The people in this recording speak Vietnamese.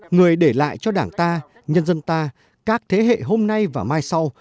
người để lại cho đảng ta nhân dân ta các thế hệ hôm nay và mai sau